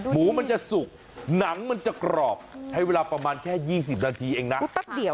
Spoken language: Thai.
หมูมันจะสุกหนังมันจะกรอบใช้เวลาประมาณแค่๒๐นาทีเองนะแป๊บเดียว